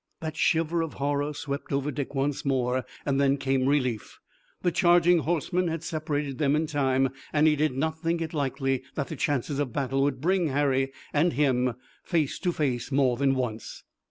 That shiver of horror swept over Dick once more, and then came relief. The charging horsemen had separated them in time, and he did not think it likely that the chances of battle would bring Harry and him face to face more than once.